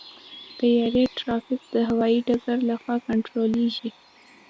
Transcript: د طیارې ټرافیک د هوايي ډګر لخوا کنټرولېږي.